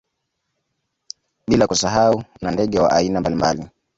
Bila kusahau na ndege wa aina mbalimbali